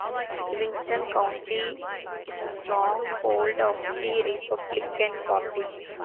Livingston County is a stronghold of the Republican Party.